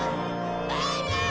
バイバイ！